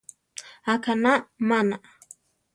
Aʼkaná maná.